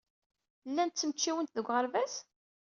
Llant ttmecčiwent deg uɣerbaz?